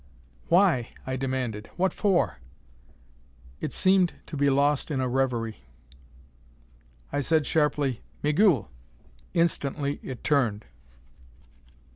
"Why?" I demanded. "What for?" It seemed lost in a reverie. I said sharply, "Migul!" Instantly it turned.